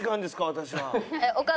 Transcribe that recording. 私は。